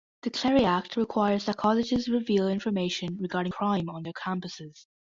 The Clery Act requires that colleges reveal information regarding crime on their campuses.